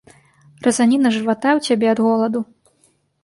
Разаніна жывата ў цябе ад голаду.